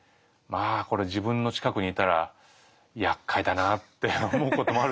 これ自分の近くにいたらやっかいだなって思うこともあるんですが。